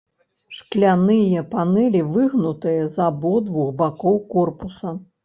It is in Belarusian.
Шкляныя панэлі выгнутыя з абодвух бакоў корпуса.